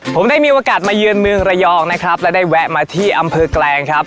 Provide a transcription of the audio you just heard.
ผมได้มีโอกาสมาเยือนเมืองระยองนะครับและได้แวะมาที่อำเภอแกลงครับ